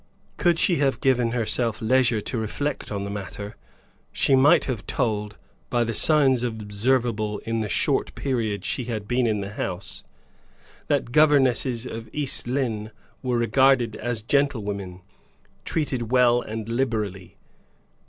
Could she have given herself leisure to reflect on the matter, she might have told, by the signs observable in the short period she had been in the house, that governesses of East Lynne were regarded as gentlewomen treated well and liberally.